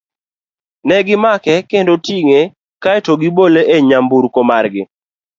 Ne gimake kendo tinge kae to gibole e nyamburko mar gi.